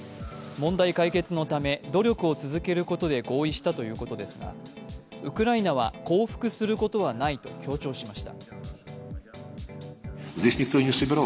問題解決のため、努力を続けることで合意したということですが、ウクライナは降伏することはないと強調しました。